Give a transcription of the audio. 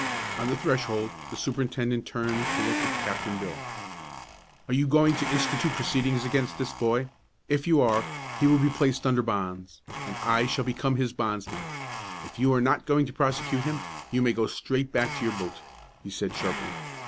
On the threshold the superintendent turned to look at Captain Bill. "Are you going to institute proceedings against this boy? If you are, he will be placed under bonds, and I shall become his bondsman. If you are not going to prosecute him, you may go straight back to your boat," he said sharply.